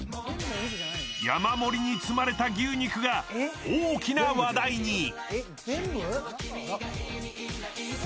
山盛りに積まれた牛肉が大きな話題に。